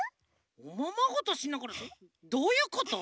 おままごとしながらどういうこと？